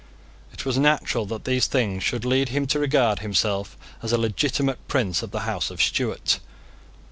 It was natural that these things should lead him to regard himself as a legitimate prince of the House of Stuart.